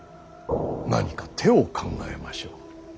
何か手を考えましょう。